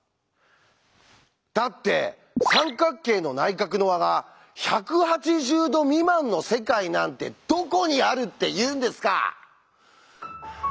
だって三角形の内角の和が１８０°未満の世界なんてどこにあるっていうんですか！